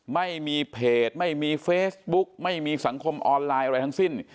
ไม่มีเพจไม่มีเฟซบุ๊กไม่มีสังคมออนไลน์อะไรทั้งสิ้น